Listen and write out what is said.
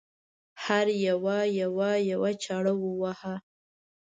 هر یوه یوه یوه چاړه وواهه.